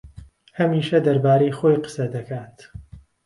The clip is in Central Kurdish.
ھەمیشە دەربارەی خۆی قسە دەکات.